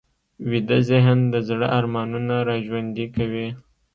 ویده ذهن د زړه ارمانونه راژوندي کوي